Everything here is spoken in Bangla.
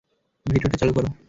ভিডিওটা চালু কর।